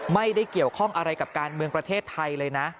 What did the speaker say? ไม่ได้เกี่ยวข้องอะไรกับการเมืองประเทศไทยเลยนะ